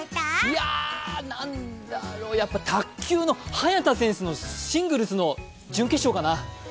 いや、なんだろう、やっぱり卓球の早田選手のシングルスの準決勝かな。